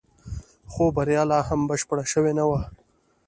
خو بريا لا هم بشپړه شوې نه وه.